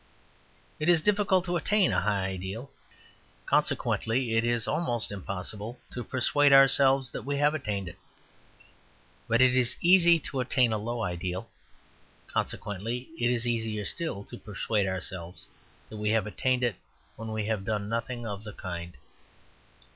It is difficult to attain a high ideal; consequently, it is almost impossible to persuade ourselves that we have attained it. But it is easy to attain a low ideal; consequently, it is easier still to persuade ourselves that we have attained it when we have done nothing of the kind.